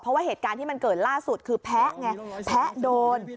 เพราะว่าเหตุการณ์ที่มันเกิดล่าสุดคือแพ้ไงแพ้โดน